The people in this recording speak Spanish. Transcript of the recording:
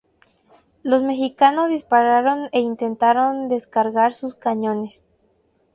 Los mexicanos dispararon e intentaron descargar sus cañones.